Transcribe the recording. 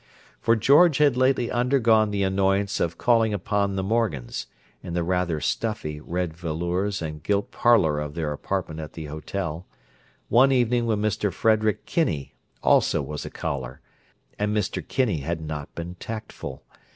For George had lately undergone the annoyance of calling upon the Morgans, in the rather stuffy red velours and gilt parlour of their apartment at the hotel, one evening when Mr. Frederick Kinney also was a caller, and Mr. Kinney had not been tactful.